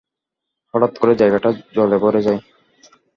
হঠাৎ করেই জায়গাটা জলে ভরে যায়।